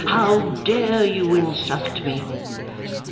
How dare you insult me?